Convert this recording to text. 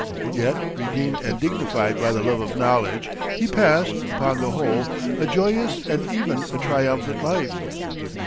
Yet, redeemed and dignified by the love of knowledge, he passed, upon the whole, a joyous and even a triumphant life.